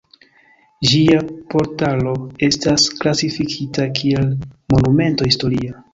Ĝia portalo estas klasifikita kiel Monumento historia.